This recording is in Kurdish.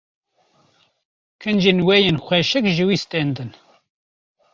Kincên wê yên xweşik ji wê standin